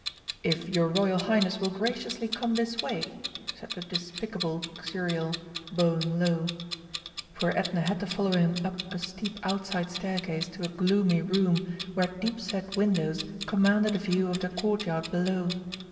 "If your Royal Highness will graciously come this way," said the despicable Xuriel, bowing low. Poor Edna had to follow him up a steep outside staircase to a gloomy room where deep set windows commanded a view of the Courtyard below.